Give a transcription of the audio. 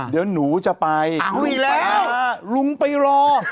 เดี๋ยวหนูจะไปอ้าวแล้วลุงไปรอ